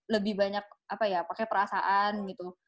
lebih banyak apa ya pakai perasaan gitu